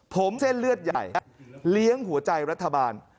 ผมเส้นเลือดใหญ่เลี้ยงหัวใจรัฐบาล